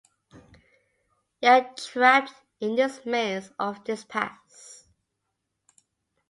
We are trapped in this maze of this past.